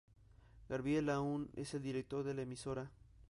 Gabriel Aún es el director de la emisora.